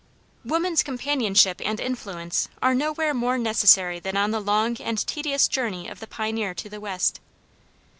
Woman's companionship and influence are nowhere more necessary than on the long and tedious journey of the pioneer to the West.